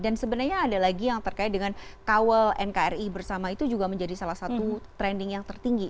dan sebenarnya ada lagi yang terkait dengan kawal nkri bersama itu juga menjadi salah satu trending yang tertinggi